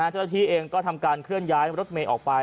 เจ้าหน้าที่เองก็ทำการเคลื่อนย้ายรถเมย์ออกไป